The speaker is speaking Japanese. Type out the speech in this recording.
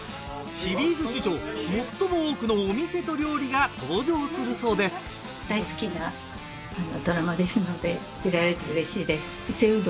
シリーズ史上もっとも多くのお店と料理が登場するそうですいい感じじゃん。